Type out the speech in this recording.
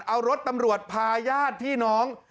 เอารถตำรวจพาญาติพี่น้อง